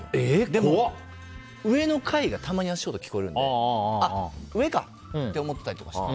でも、上の階がたまに足音聞こえるんであ、上かって思ったりとかして。